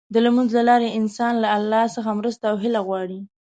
د لمونځ له لارې انسان له الله څخه مرسته او هيله غواړي.